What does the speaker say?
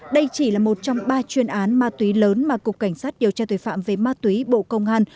đây chỉ là một trong ba chuyên án ma túy lớn mà cục cảnh sát điều tra tội phạm về ma túy bộ công an